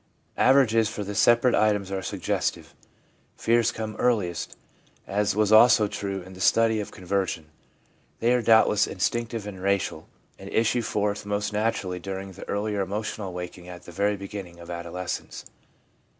The averages for the separate items are suggestive. Fears come earliest, as was also true in the study of conversion ; they are doubtless instinctive and racial, and issue forth most naturally during the earlier emo tional awakening at the very beginning of adolescence.